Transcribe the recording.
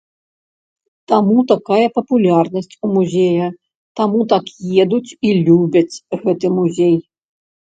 Таму такая папулярнасць у музея, таму так едуць і любяць гэты музей.